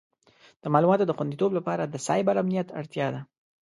د معلوماتو د خوندیتوب لپاره د سایبر امنیت اړتیا ده.